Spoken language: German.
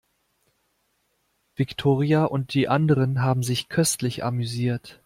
Viktoria und die anderen haben sich köstlich amüsiert.